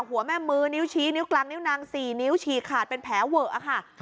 หัวแม่มือนิ้วชี้นิ้วกลางนิ้วนาง๔นิ้วฉีกขาดเป็นแผลเวอะค่ะ